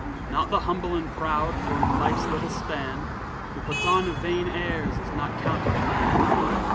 Not the humble and proud, for in life's little span, Who puts on vain airs, is not counted a man.